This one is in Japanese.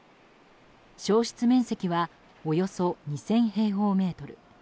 焼失面積はおよそ２０００平方メートル。